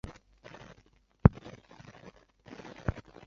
现为北京大学力学与工程科学系教授。